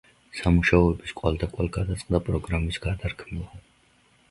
სამუშაოების კვალდაკვალ გადაწყდა პროგრამის გადარქმევა.